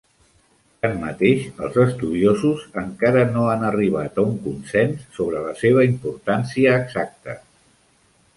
Tanmateix, els estudiosos encara no han arribat a un consens sobre la seva importància exacta.